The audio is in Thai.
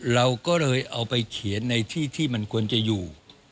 เราก็เลยเอาไปเขียนในที่ที่มันควรจะอยู่